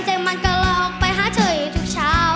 เจอมันกะลอกไปหาเธออยู่ทุกเช้า